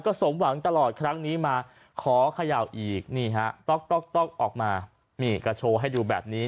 สมหวังตลอดครั้งนี้มาขอเขย่าอีกนี่ฮะต๊อกออกมานี่ก็โชว์ให้ดูแบบนี้